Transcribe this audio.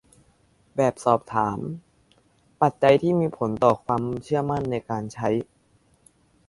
แบบสอบถาม : ปัจจัยที่มีผลต่อความเชื่อมั่นในการใช้